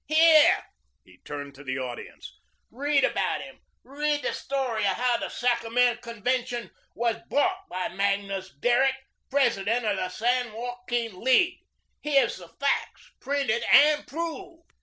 Here" he turned to the audience "read about him, read the story of how the Sacramento convention was bought by Magnus Derrick, President of the San Joaquin League. Here's the facts printed and proved."